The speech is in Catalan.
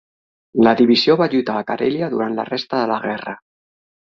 La divisió va lluitar a Karelia durant la resta de la guerra.